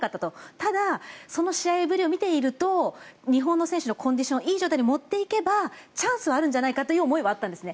ただ、その試合ぶりを見ていると日本の選手のコンディションをいい状態に持っていけばチャンスはあるのではという思いはあったんですね。